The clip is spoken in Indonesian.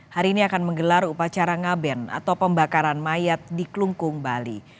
hari ini akan menggelar upacara ngaben atau pembakaran mayat di klungkung bali